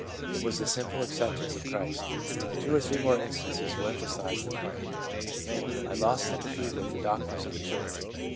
It was the simple acceptance of Christ/ Two or three more instances will emphasise the point. M. ' I lost sympathy with the doctrines of the church.